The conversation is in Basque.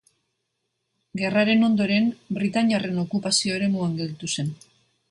Gerraren ondoren britainiarren okupazio eremuan gelditu zen.